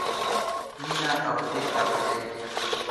مینه او ښې خاطرې.